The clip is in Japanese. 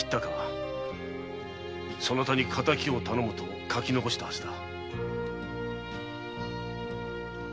そなたに「敵を頼む」と書き遺したはずだ。